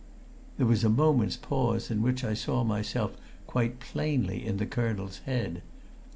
There was a moment's pause in which I saw myself quite plainly in the colonel's head.